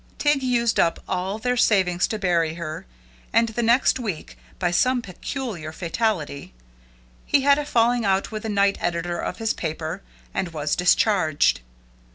Tig used up all their savings to bury her, and the next week, by some peculiar fatality, he had a falling out with the night editor of his paper, and was discharged.